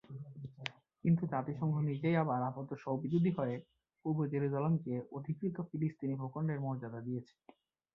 কিন্তু জাতিসংঘ নিজেই আবার আপাত-স্ববিরোধী হয়ে পূর্ব জেরুসালেমকে অধিকৃত ফিলিস্তিনি ভূখণ্ডের মর্যাদা দিয়েছে।